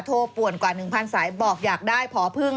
ป่วนกว่า๑๐๐สายบอกอยากได้ผอพึ่ง